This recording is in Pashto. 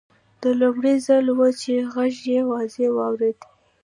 دا لومړی ځل و چې غږ یې واضح واورېد